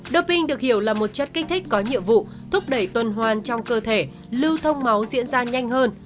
doping được hiểu là một chất kích thích có nhiệm vụ thúc đẩy tuần hoàn trong cơ thể lưu thông máu diễn ra nhanh hơn